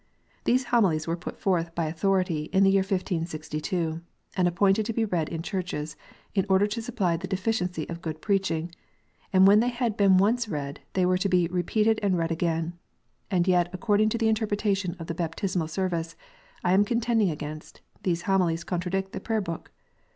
These Homilies were put forth by authority, in the year 1562, and appointed to be read in churches in order to supply the deficiency of good preaching, and when they had been once read, they were to be "repeated and read again." And yet according to the interpretation of the Baptismal Service I am contending against, these Homilies contradict the Prayer book